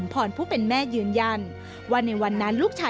ทำไมเราต้องเป็นแบบเสียเงินอะไรขนาดนี้เวรกรรมอะไรนักหนา